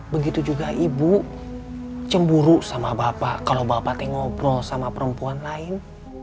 begitu juga ibu cemburu sama bapak kalau bapak teh ngobrol sama perempuan lain